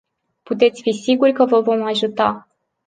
Puteți fi siguri că vă vom ajuta.